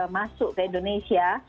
masuk ke indonesia